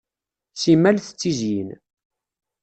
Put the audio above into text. Simmal tettizyin.